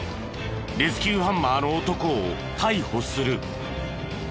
レスキューハンマーの男を逮捕する。